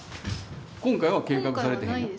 今回は計画されてへん。